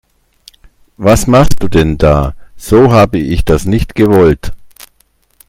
Was machst du denn da, so habe ich das nicht gewollt.